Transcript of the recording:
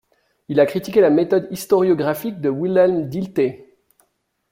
Il a critiqué la méthode historiographique de Wilhelm Dilthey.